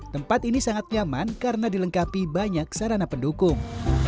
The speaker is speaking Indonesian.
tempat ini sangat nyaman karena dilengkapi banyak sarana pendukung